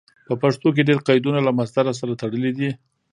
په پښتو کې ډېر قیدونه له مصدر سره تړلي دي.